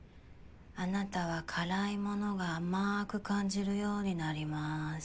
あなたは辛いものが甘く感じるようになります。